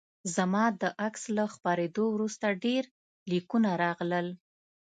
زما د عکس له خپریدو وروسته ډیر لیکونه راغلل